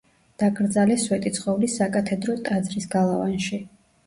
დაკრძალეს სვეტიცხოვლის საკათედრო ტაძრის გალავანში.